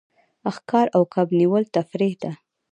ښکار او کب نیول تفریح ده.